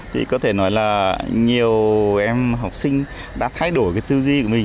thì có thể nói là nhiều em học sinh đã thay đổi cái tư duy của mình